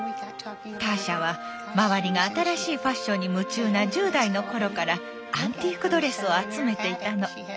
ターシャは周りが新しいファッションに夢中な１０代の頃からアンティークドレスを集めていたの。